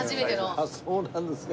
あっそうなんですか。